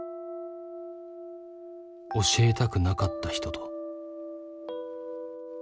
教えたくなかった人と。